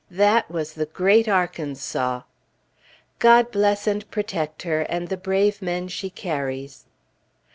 That was the great Arkansas! God bless and protect her, and the brave men she carries.